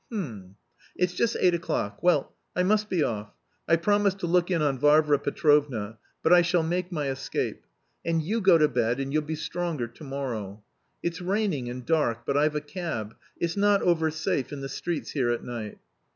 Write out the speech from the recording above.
H'm. It's just eight o'clock; well I must be off. I promised to look in on Varvara Petrovna, but I shall make my escape. And you go to bed and you'll be stronger to morrow. It's raining and dark, but I've a cab, it's not over safe in the streets here at night....